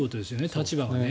立場が。